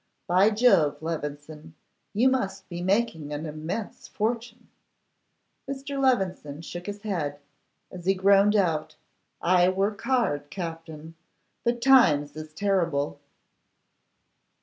By Jove, Levison, you must be making an immense fortune.' Mr. Levison shook his head, as he groaned out, 'I work hard, Captin; but times is terrible.